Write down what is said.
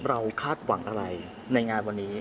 คาดหวังอะไรในงานวันนี้